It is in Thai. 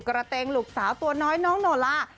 กระเตงลูกสาวตัวน้อยน้องโนล่า